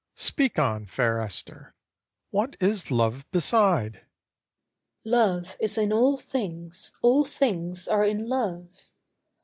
Speak on, fair Esther! What is love beside? ESTHER Love is in all things, all things are in love.